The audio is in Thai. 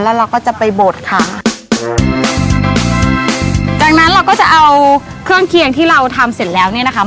แล้วเราก็จะไปบดค่ะครับจากนั้นเราก็จะเอาเครื่องเคียงที่เราทำเสร็จแล้วเนี่ยนะคะ